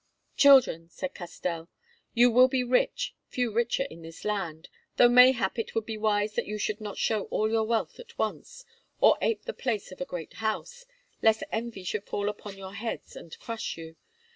"Children," said Castell, "you will be rich—few richer in this land—though mayhap it would be wise that you should not show all your wealth at once, or ape the place of a great house, lest envy should fall upon your heads and crush you.